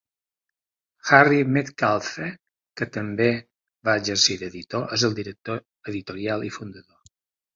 Harry Metcalfe, que també va exercir d'editor, és el director editorial i fundador.